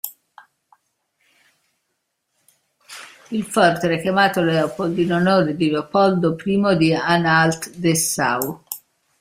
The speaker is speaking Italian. Il forte era chiamato "Leopold" in onore di Leopoldo I di Anhalt-Dessau.